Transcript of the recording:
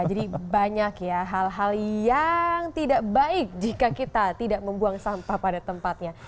jadi banyak ya hal hal yang tidak baik jika kita tidak membuang sampah pada tempatnya